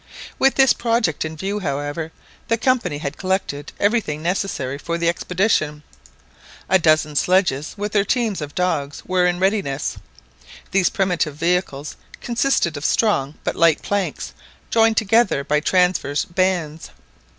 With this project in view, however, the Company had collected everything necessary for the expedition. A dozen sledges, with their teams of dogs, were in readiness. These primitive vehicles consisted of strong but light planks joined together by transverse bands.